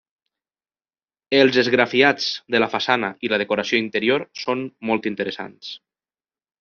Els esgrafiats de la façana i la decoració interior són molt interessants.